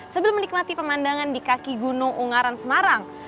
sebelum menikmati pemandangan di kaki gunung ungaran semarang